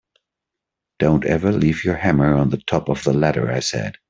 Don’t ever leave your hammer on the top of the ladder, I said.